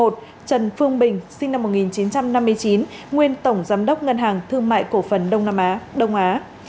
một trần phương bình sinh năm một nghìn chín trăm năm mươi chín nguyên tổng giám đốc ngân hàng thương mại cổ phần đông nam á đông á